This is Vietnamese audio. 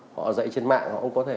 họ dạy trên mạng họ có thể